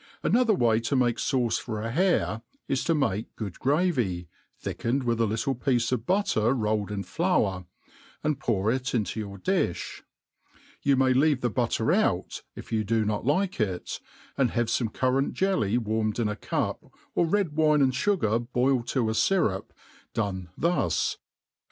* Anxjther way to make fauce for a hare is, to entice g6od gravy, thickenedi with a little piece of butter rolled in Hour, and pour it JiUQ your di(h. You may leave .the butter out, if y6u do not like it, and have fome currant jclly'warnied in a cup, or' red wine and fugar boiled to a fyrpp) done. thus